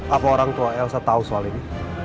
apa orang tua elsa tahu soal ini